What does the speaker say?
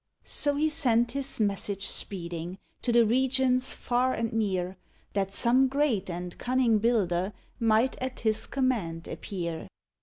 So he sent his message speeding To the regions far and near, That some great and cunning builder Might at his command appear.